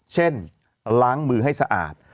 เช่นล้างมือให้สะอาด